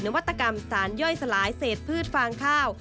วัตกรรมสารย่อยสลายเศษพืชฟางข้าว